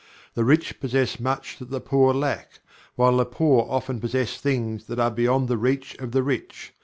The rich possess much that the poor lack, while the poor often possess things that are beyond the reach of the rich.